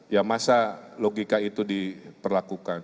ya masa logika itu diperlakukan